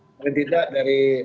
mungkin tidak dari